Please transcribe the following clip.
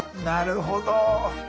なるほど。